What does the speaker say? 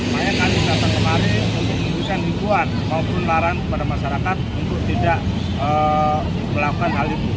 banyak hal yang kita temani untuk membuat maupun laran kepada masyarakat untuk tidak melakukan hal itu